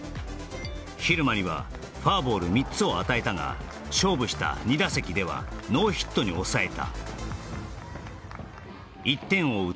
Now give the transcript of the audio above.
蛭間にはフォアボール３つを与えたが勝負した２打席ではノーヒットに抑えた１点を追う